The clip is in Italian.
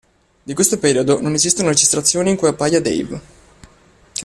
Di questo periodo non esistono registrazioni in cui appaia Dave.